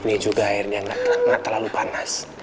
ya ini juga airnya gak terlalu panas